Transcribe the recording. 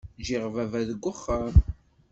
Ǧǧiɣ baba deg uxxam.